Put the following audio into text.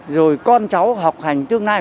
rồi con cháu học hành tương lai